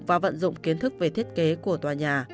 và vận dụng kiến thức về thiết kế của tòa nhà